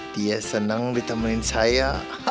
dia seneng nemenin saya